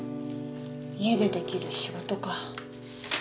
家でできる仕事か。